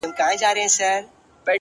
نو زنده گي څه كوي،